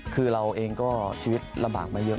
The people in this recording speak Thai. คือเราเองก็ชีวิตลำบากมาเยอะ